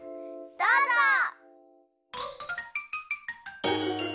どうぞ！